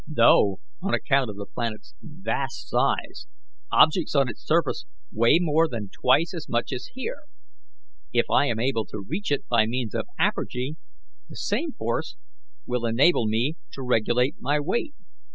Though, on account of the planet's vast size, objects on its surface weigh more than twice as much as here, if I am able to reach it by means of apergy, the same force will enable me to regulate my weight.